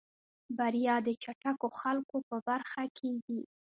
بريا د چټکو خلکو په برخه کېږي.